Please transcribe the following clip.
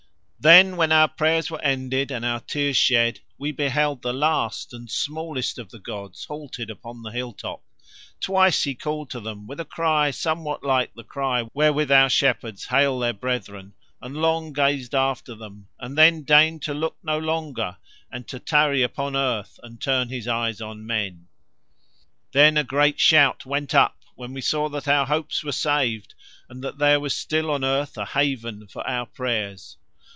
Then when our prayers were ended and our tears shed, we beheld the last and smallest of the gods halted upon the hilltop. Twice he called to Them with a cry somewhat like the cry wherewith our shepherds hail their brethren, and long gazed after Them, and then deigned to look no longer and to tarry upon earth and turn his eyes on men. Then a great shout went up when we saw that our hopes were saved and that there was still on earth a haven for our prayers.